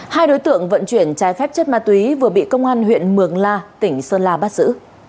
hai đối tượng vận chuyển trái phép chất ma túy vừa bị công an huyện mường la tỉnh sơn la bắt giữ